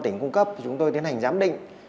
tỉnh cung cấp chúng tôi tiến hành giám định